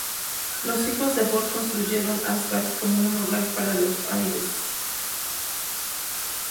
Los hijos de Bor construyeron Asgard como un hogar para los Æsir.